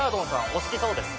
お好きそうです。